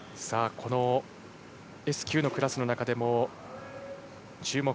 このＳ９のクラスの中でも注目。